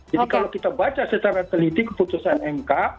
jadi kalau kita baca secara teliti keputusan mk